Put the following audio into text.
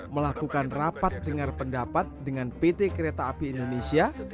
melakukan rapat dengar pendapat dengan pt kereta api indonesia